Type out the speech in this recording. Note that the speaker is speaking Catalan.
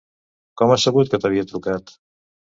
Com has sabut que t'havia trucat?